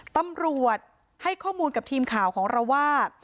ตำรวจให้ข้อมูลกับทีมข่าวของเราว่า